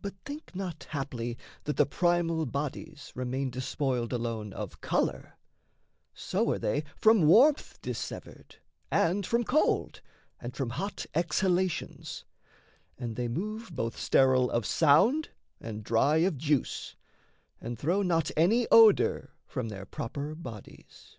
But think not haply that the primal bodies Remain despoiled alone of colour: so, Are they from warmth dissevered and from cold And from hot exhalations; and they move, Both sterile of sound and dry of juice; and throw Not any odour from their proper bodies.